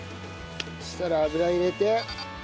そしたら油入れて。